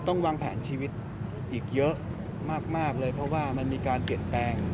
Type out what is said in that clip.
ต้องวางแผนชีวิตอีกเยอะมากเลยเพราะว่ามันมีการเปลี่ยนแปลง